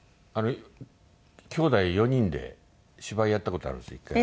きょうだい４人で芝居やった事あるんですよ